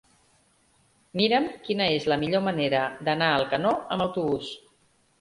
Mira'm quina és la millor manera d'anar a Alcanó amb autobús.